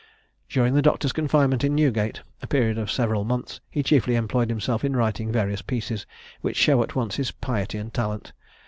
During the doctor's confinement in Newgate (a period of several months) he chiefly employed himself in writing various pieces, which show at once his piety and talent.